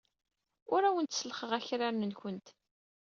Ur awent-sellxeɣ akraren-nwent.